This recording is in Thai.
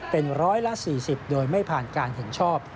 เป็นร้อยละ๔๐โดยไม่ผ่านการเห็นชอบ